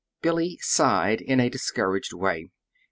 Billy sighed in a discouraged way.